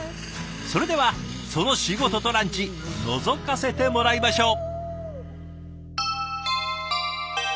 それではその仕事とランチのぞかせてもらいましょう。